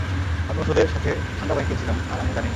আমি ওষুধের সাথে ঠান্ডা ওয়াইন খেয়েছিলাম, আর আমি জানি না।